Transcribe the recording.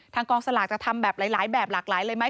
กองสลากจะทำแบบหลายแบบหลากหลายเลยไหม